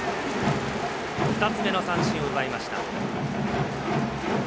２つ目の三振を奪いました。